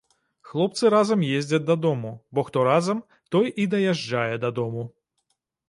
Хлопцы разам ездзяць дадому, бо хто разам, той і даязджае да дому.